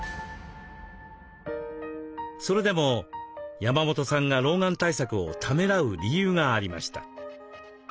それでも山本さんが老眼対策をためらう理由がありました。